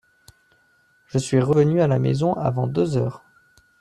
Je suis revenu à la maison avant deux heures.